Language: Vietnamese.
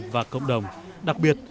và cộng đồng đặc biệt